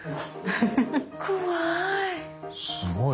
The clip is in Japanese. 怖い。